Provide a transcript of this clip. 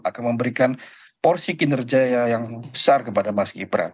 akan memberikan porsi kinerja yang besar kepada mas gibran